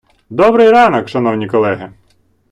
Добрий ранок, шановні колеги!